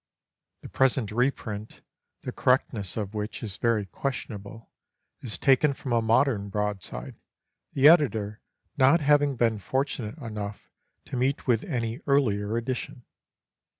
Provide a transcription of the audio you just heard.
The present reprint, the correctness of which is very questionable, is taken from a modern broadside, the editor not having been fortunate enough to meet with any earlier edition.